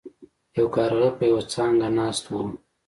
یو کارغه په یوه څانګه ناست و.